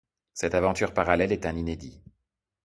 Cette aventure parallèle est un inédit.